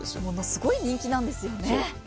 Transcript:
またすごい人気なんですよね。